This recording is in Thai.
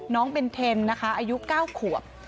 เบนเทนนะคะอายุ๙ขวบ